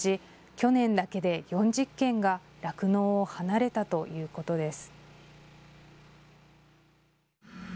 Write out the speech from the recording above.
去年だけで４０軒が酪農を離れたということです。